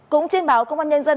cũng trên báo công an nhân dân